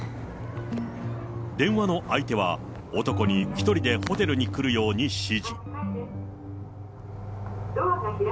電話の相手は、男に１人でホテルに来るように指示。